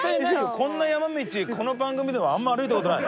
こんな山道この番組でもあんま歩いた事ない。